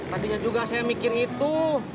tadinya juga saya mikir itu